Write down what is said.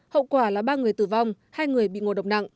hậu quả là ba người tử vong hai người bị ngộ độc nặng